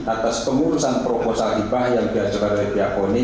atas pengurusan proposal ipah yang diajakar oleh pihak poni